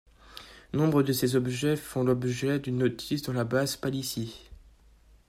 Nombre de ces objets font l'objet d'une notice dans la base Palissy.